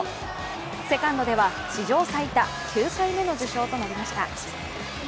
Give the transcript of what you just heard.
セカンドでは史上最多、９回目の受賞となりました。